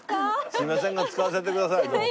すみませんが使わせてください。